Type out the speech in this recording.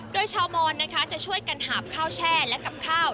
โดยชาวมอนนะคะจะช่วยกันหาบข้าวแช่และกับข้าว